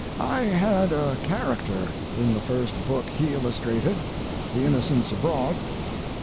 I had a character in the first book he illustrated—The Innocents Abroad.